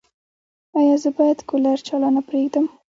ایا زه باید کولر چالانه پریږدم؟